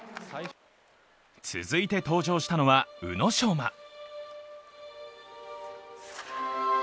続いて登場したのは宇野昌磨。